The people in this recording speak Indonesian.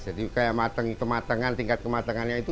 jadi kayak kematangan tingkat kematangannya itu